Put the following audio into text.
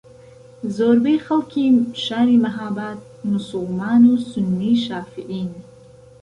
زۆربەی خەڵکی شاری مەھاباد موسڵمان و سوننی شافعیین